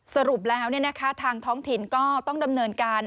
สรุปแล้วทางท้องถิ่นก็ต้องดำเนินการ